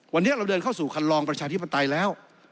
วันนี้เราเดินเข้าสู่คันลองประชาธิปไตยแล้ว